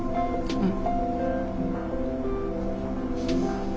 うん。